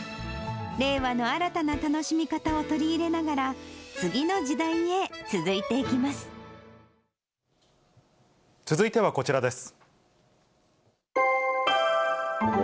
令和の新たな楽しみ方を取り入れながら、続いてはこちらです。